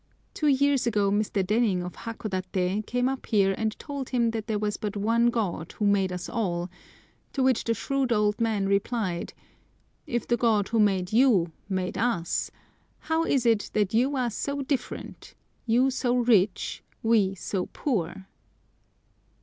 Two years ago Mr. Dening of Hakodaté came up here and told him that there was but one God who made us all, to which the shrewd old man replied, "If the God who made you made us, how is it that you are so different—you so rich, we so poor?"